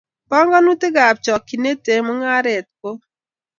Panganutikab chokchinet eng mungaret ko